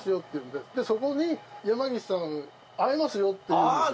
でそこに山岸さん。会えますよっていうんですよ。